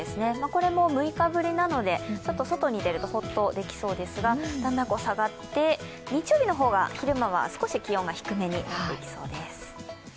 これも６日ぶりなので、外に出るとホッとできそうですが、だんだん下がって、日曜日の方が昼間は気温が低めになっていきそうです。